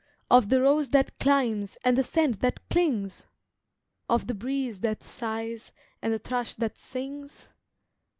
Of the rose that climbs, and the scent that clings? Of the breeze that sighs, and the thrush that sings?